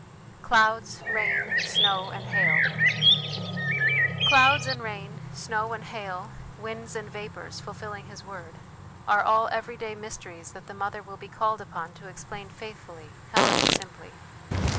Clouds, Rain, Snow, and Hail. "Clouds and rain, snow and hail, winds and vapours, fulfilling His word" are all everyday mysteries that the mother will be called upon to explain faithfully, however simply.